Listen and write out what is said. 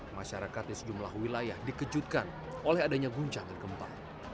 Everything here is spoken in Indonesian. masyarakat di sejumlah wilayah dikejutkan oleh adanya guncangan gempa